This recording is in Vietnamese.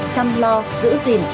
chăm lo giữ gìn